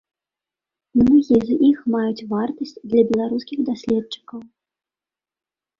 Многія з іх маюць вартасць для беларускіх даследчыкаў.